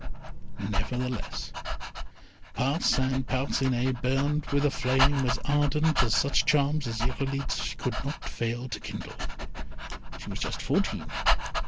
Nevertheless Parcin Parcinet burned with a flame as ardent as such charms as Irolite's could not fail to kindle. She was just fourteen.